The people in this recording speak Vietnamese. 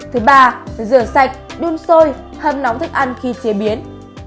thứ ba rửa sạch đun sôi hâm nóng thức ăn khi chế biến